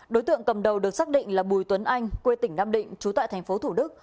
đối tượng cầm đầu được xác định là bùi tuấn anh quê tỉnh nam định trú tại tp thủ đức